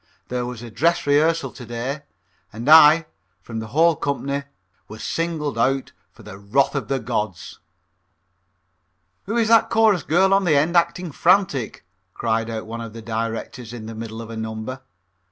There was a dress rehearsal to day, and I, from the whole company, was singled out for the wrath of the gods. "Who is that chorus girl on the end acting frantic?" cried out one of the directors in the middle of a number.